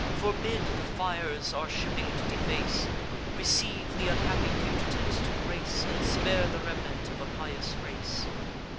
Forbid the fires our shipping to deface! Receive th' unhappy fugitives to grace, And spare the remnant of a pious race!